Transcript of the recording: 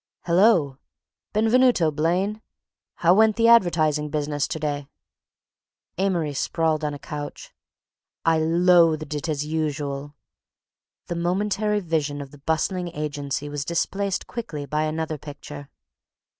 "Hello, Benvenuto Blaine. How went the advertising business to day?" Amory sprawled on a couch. "I loathed it as usual!" The momentary vision of the bustling agency was displaced quickly by another picture.